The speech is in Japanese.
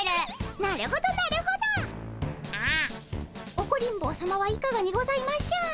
オコリン坊さまはいかがにございましょう？